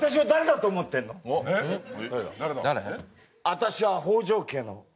私は北条家の。